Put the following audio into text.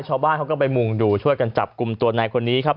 ชาวบ้านเขาก็ไปมุงดูช่วยกันจับกลุ่มตัวนายคนนี้ครับ